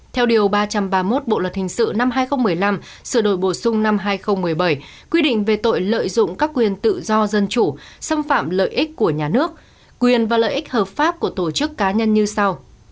theo điều ba trăm ba mươi một bộ luật hình sự năm hai nghìn một mươi năm sửa đổi bổ sung năm hai nghìn một mươi bảy quy định về tội lợi dụng các quyền tự do dân chủ xâm phạm lợi ích của nhà nước quyền và lợi ích hợp pháp của tổ chức cá nhân như sau